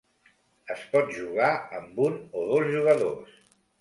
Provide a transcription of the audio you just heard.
Es pot jugar amb un o dos jugadors.